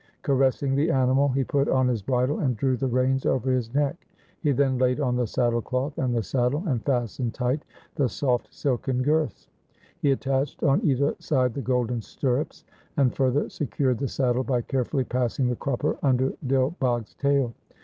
Caressing the animal he put on his bridle and drew the reins over his neck. He then laid on the saddle cloth and the saddle, and fastened tight the soft silken girths. He attached on either side the golden stirrups, and further secured the saddle by carefully passing the crupper under Dil Bagh's tail.